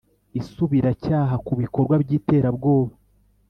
Isubiracyaha ku bikorwa by’iterabwoba